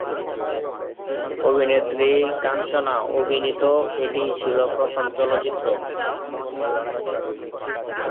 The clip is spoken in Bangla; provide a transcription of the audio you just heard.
অভিনেত্রী কাঞ্চনা অভিনীত এটিই ছিলো প্রথম চলচ্চিত্র।